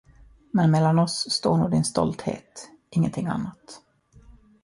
Men mellan oss står nog din stolthet, ingenting annat.